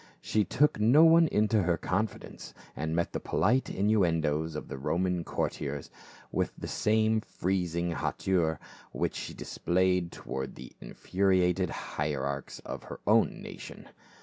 She took no one into her confidence, and met the polite innuendoes of the Roman courtiers with the same freezing hauteur which she displayed toward the infuriated hierarchs of her own nation.